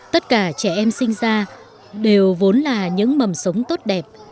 tất cả trẻ em sinh ra đều vốn là những mầm sống tốt đẹp